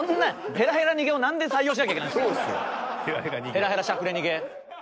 ヘラヘラしゃくれ逃げ。